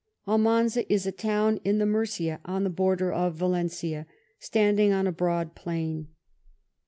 Almanza is a town in Murcia, on the border of Valencia, standing on a broad plain.